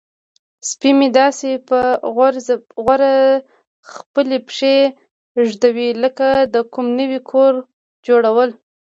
سپی مې داسې په غور خپلې پښې ږدوي لکه د کوم نوي کور جوړول.